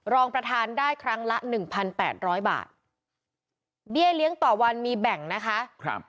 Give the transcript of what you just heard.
รองประธานได้ครั้งละหนึ่งพันแปดร้อยบาทเบี้ยเลี้ยงต่อวันมีแบ่งนะคะครับ